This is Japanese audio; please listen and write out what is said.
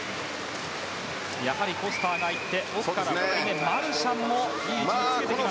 やはりフォスターが行って奥からマルシャンもいい位置につけてきました。